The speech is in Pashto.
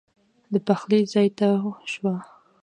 د پخلي ځای ته شوه.